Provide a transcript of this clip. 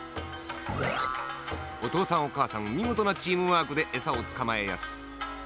おとうさんおかあさんみごとなチームワークでえさをつかまえやす。